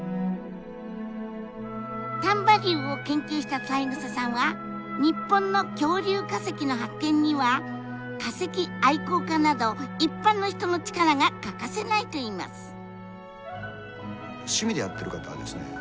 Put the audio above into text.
丹波竜を研究した三枝さんは日本の恐竜化石の発見には化石愛好家など一般の人の力が欠かせないといいます。